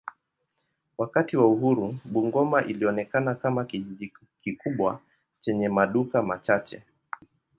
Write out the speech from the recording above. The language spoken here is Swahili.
Wakati wa uhuru Bungoma ilionekana kama kijiji kikubwa chenye maduka machache.